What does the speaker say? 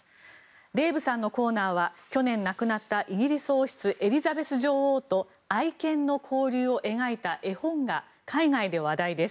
デーブさんのコーナーは去年亡くなったイギリス王室、エリザベス女王と愛犬の交流を描いた絵本が海外で話題です。